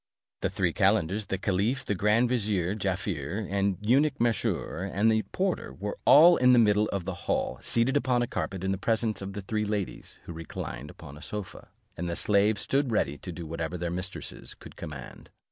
The three calendars, the caliph, the grand vizier, Jaaffier, the eunuch Mesrour, and the porter, were all in the middle of the hall, seated upon a carpet in the presence of the three ladies, who reclined upon a sofa, and the slaves stood ready to do whatever their mistresses should command.